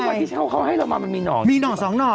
ไม่กว่าที่เช้าเขาให้เรามามันมีหน่อใช่ปะมีหน่อ๒หน่อ